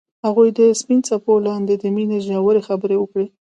هغوی د سپین څپو لاندې د مینې ژورې خبرې وکړې.